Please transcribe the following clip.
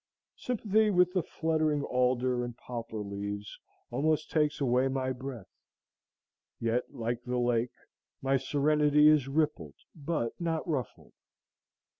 Sympathy with the fluttering alder and poplar leaves almost takes away my breath; yet, like the lake, my serenity is rippled but not ruffled.